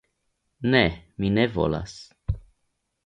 Ne, mi ne volas.